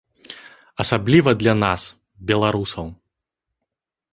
Асабліва для нас, беларусаў.